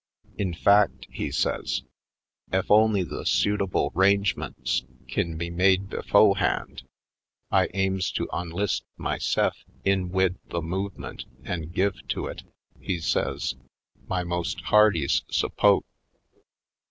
In fact," he Afric Shores 159 says, "ef only the suitable 'rangemints kin be made befo'hand, I aims to onlist myse'f in wid the movemint an' give to it," he says, "my most hearties' suppo't."